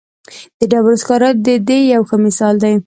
د ډبرو سکاره د دې یو ښه مثال دی.